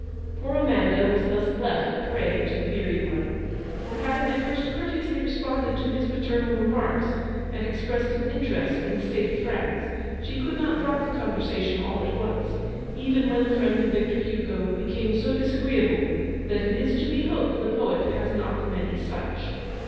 Poor Amanda was thus left a prey to the beery one; for, having at first courteously responded to his paternal remarks and expressed an interest in the state of France, she could not drop the conversation all at once, even when the friend of Victor Hugo became so disagreeable that it is to be hoped the poet has not many such.